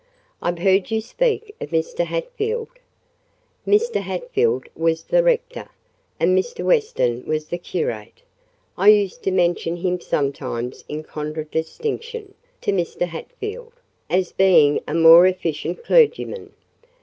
"I've heard you speak of Mr. Hatfield." "Mr. Hatfield was the rector, and Mr. Weston the curate: I used to mention him sometimes in contradistinction to Mr. Hatfield, as being a more efficient clergyman.